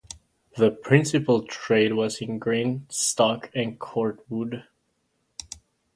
The principal trade was in grain stock and cordwood.